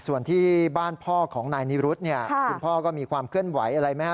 ส่วนที่บ้านพ่อของนายนิรุธเนี่ยคุณพ่อก็มีความเคลื่อนไหวอะไรไหมฮะ